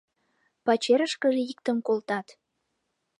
Пачерышкыже иктым колтат.